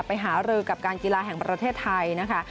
หารือกับการกีฬาแห่งประเทศไทยนะคะ